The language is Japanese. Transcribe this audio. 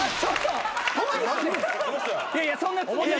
いやいやそんなつもり。